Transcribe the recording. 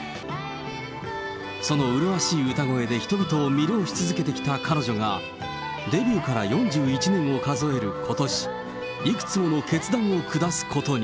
その麗しい歌声で人々を魅了し続けてきた彼女が、デビューから４１年を数えることし、いくつもの決断を下すことに。